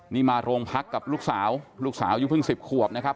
นี่มาโรงพักกับลูกสาวลูกสาวอายุเพิ่ง๑๐ขวบนะครับ